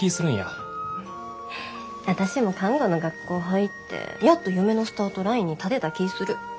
私も看護の学校入ってやっと夢のスタートラインに立てた気ぃする。